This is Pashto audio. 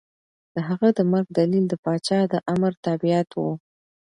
د هغه د مرګ دلیل د پاچا د امر تابعیت و.